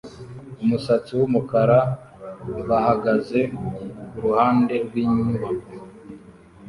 umusatsi wumukara bahagaze kuruhande rwinyubako